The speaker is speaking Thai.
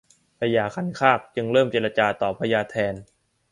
พญาคันคากจึงเริ่มเจรจาต่อพญาแถน